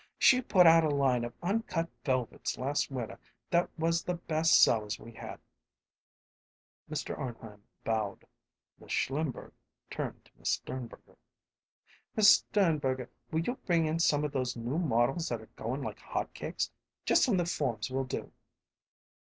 She put out a line of uncut velvets last winter that was the best sellers we had." Mr. Arnheim bowed. Mrs. Schlimberg turned to Miss Sternberger. "Miss Sternberger, will you bring in some of those new models that are going like hot cakes? Just on the forms will do."